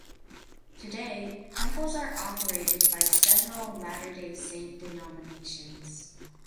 Today, temples are operated by several Latter Day Saint denominations.